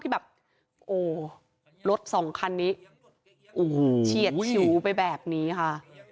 โอ๊ยรถสองคันนี้เฉียดชิ้วไปแบบนี้ค่ะ